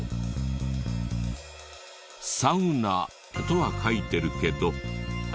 「サウナ」とは書いてるけど。